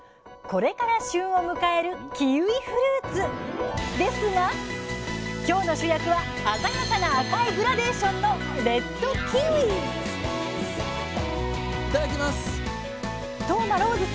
これから旬を迎えるキウイフルーツ！ですが今日の主役は鮮やかな赤いグラデーションのいただきます。